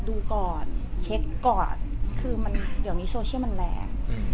อืมอืมอืมอืมอืม